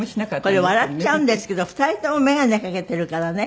これ笑っちゃうんですけど２人とも眼鏡かけてるからね。